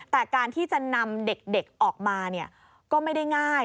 แต่การที่จะนำเด็กออกมาก็ไม่ได้ง่าย